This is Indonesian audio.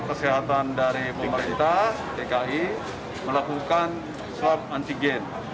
kesehatan dari pemerintah dki melakukan swab antigen